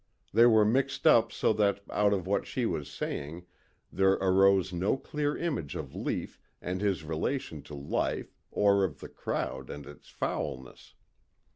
They were mixed up so that out of what she was saying there arose no clear image of Lief and his relation to life or of the crowd and its foulness.